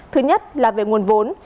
thứ nhất là về nguồn vốn